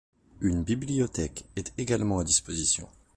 Une bibliothèque est également à disposition.